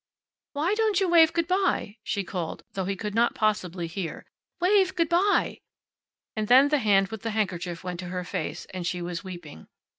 "Why don't you wave good by?" she called, though he could not possibly hear. "Wave good by!" And then the hand with the handkerchief went to her face, and she was weeping.